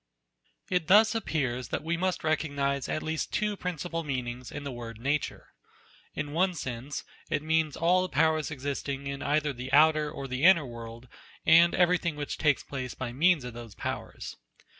It thus appears that we must recognize at least two principal meanings in the word Nature. In one sense, it means all the powers existing in either the outer or the inner world and everything which takes place by means of those powers.